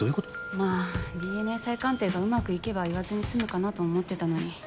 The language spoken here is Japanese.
まあＤＮＡ再鑑定がうまくいけば言わずに済むかなと思ってたのに。